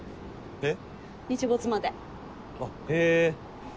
えっ？